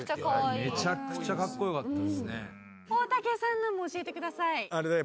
大竹さんのも教えてください。